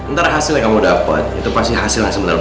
ntar hasilnya kamu dapat itu pasti hasil yang sebenarnya